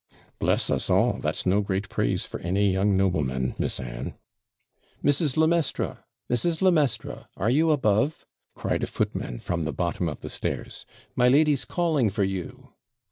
'Bless us all! that's no great praise for any young nobleman. Miss Anne.' 'Mrs. le Maistre! Mrs. le Maistre! are you above?' cried a footman from the bottom of the stairs; 'my lady's calling for you.'